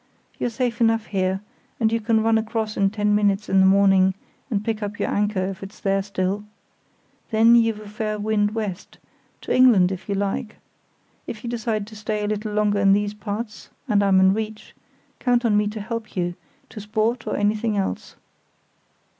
"You're safe enough here, and you can run across in ten minutes in the morning and pick up your anchor, if it's there still. Then you've a fair wind west—to England if you like. If you decide to stay a little longer in these parts, and I'm in reach, count on me to help you, to sport or anything else."